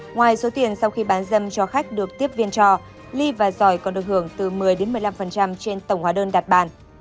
ngoài số tiền sau khi bán dâm cho khách được tiếp viên cho ly và giỏi còn được hưởng từ một mươi một mươi năm trên tổng hóa đơn đặt bàn